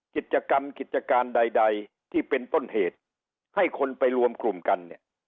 กิจกรรมกิจการใดที่เป็นต้นเหตุให้คนไปรวมกลุ่มกันเนี่ย